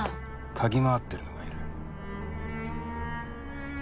嗅ぎ回ってるのがいる。